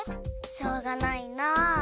しょうがないな。